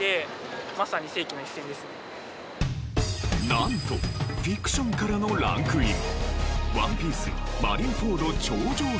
なんとフィクションからのランクイン。